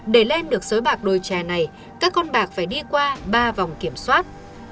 để lên được sới bạc đồi trè này các con bạc phải đi qua ba vòng kiểm soát